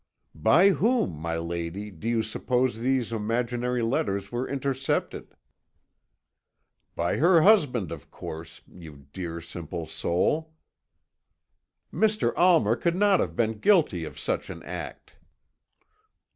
"By whom, my lady, do you suppose these imaginary letters were intercepted?" "By her husband, of course, you dear, simple soul!" "Mr. Almer could not have been guilty of such an act."